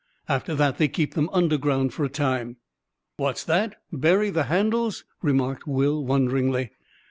After that they keep them underground for a time." "What's that—bury the handles?" remarked Will wonderingly.